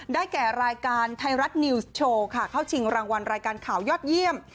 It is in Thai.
แก่รายการไทยรัฐนิวส์โชว์ค่ะเข้าชิงรางวัลรายการข่าวยอดเยี่ยม